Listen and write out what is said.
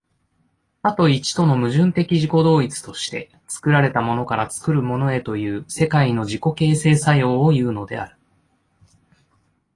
多と一との矛盾的自己同一として、作られたものから作るものへという世界の自己形成作用をいうのである。